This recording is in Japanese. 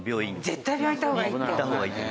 絶対病院行った方がいいって。